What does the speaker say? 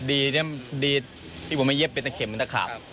ดีที่ผมไม่เย็บเป็นแต่เข็มเป็นแต่ขาบ